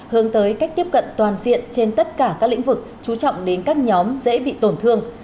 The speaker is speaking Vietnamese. hướng tới cách tiếp cận toàn diện trên tất cả các lĩnh vực chú trọng đến các nhóm dễ bị tổn thương